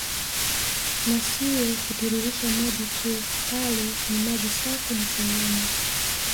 Na sio kutiririsha maji tu bali ni maji safi na salama